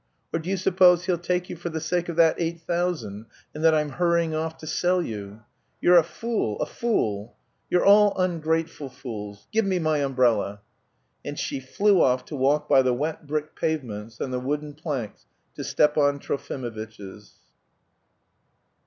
Or do you suppose he'll take you for the sake of that eight thousand, and that I'm hurrying off to sell you? You're a fool, a fool! You're all ungrateful fools. Give me my umbrella!" And she flew off to walk by the wet brick pavements and the wooden planks to Stepan Trofimovitch's.